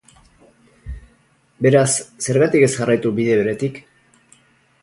Beraz, zergatik ez jarraitu bide beretik?